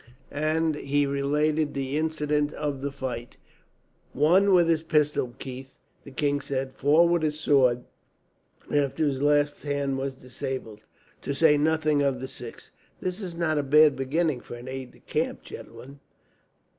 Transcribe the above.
And he related the incidents of the fight. "One with his pistol, Keith," the king said. "Four with his sword, after his left hand was disabled, to say nothing of the sixth. "That is not a bad beginning for this aide de camp, gentlemen."